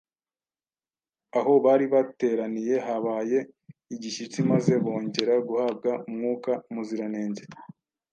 Aho bari bateraniye habaye igishyitsi maze bongera guhabwa Mwuka Muziranenge.